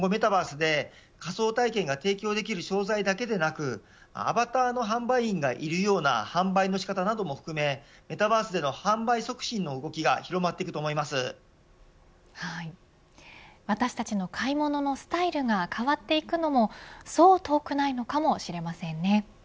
今後、メタバースで仮想体験が提供できる商材だけでなくアバターの販売員がいるような販売の仕方なども含めメタバースでの販売促進の動きが私たちの買い物のスタイルが変わっていくのもそう遠くないのかもしれませんね。